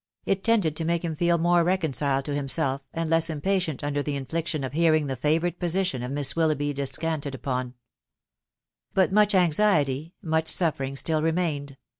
it tended fee make him feel more reconciled to himself, and lea* impatient under the raffie* 1300 of hearing the favoured position of Miss Willoughby des canted upon* Bat much anxiety, much suffering, still remained